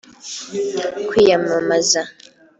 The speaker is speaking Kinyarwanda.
kwiyamamaza